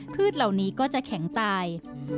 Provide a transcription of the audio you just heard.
เหล่านี้ก็จะแข็งตาย